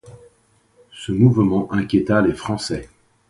Ce mouvement inquiéta les Français.